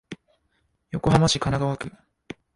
横浜市神奈川区